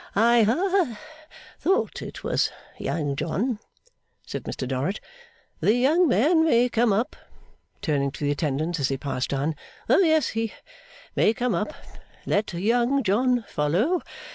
'I ha thought it was Young John!' said Mr Dorrit. 'The young man may come up,' turning to the attendants, as he passed on: 'oh yes, he may come up. Let Young John follow.